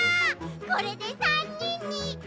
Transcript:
これで３にんに。